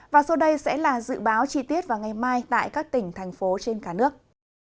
và sau đây sẽ là dự báo chi tiết vào ngày mai tại các tỉnh thành phố trên cả nước